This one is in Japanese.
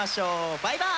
バイバーイ！